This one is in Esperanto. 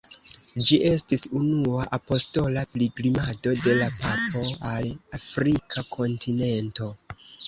Ĝi estis unua apostola pilgrimado de la papo al Afrika kontinento.